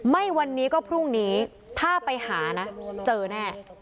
ไม่วันนี้ก็พรุ่งนี้ถ้าไปหานะเจอแน่